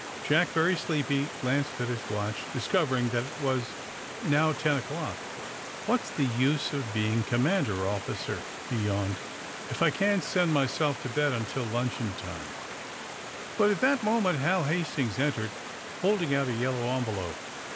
Jack, very sleepy, glanced at his watch, discov ering that it was now ten o'clock. ^'What's the use of being commander officer," he yawned, ^4f I can't send myself to bed until luncheon timeT! But at that moment Hal Hastings entered, holding out a yellow envelope.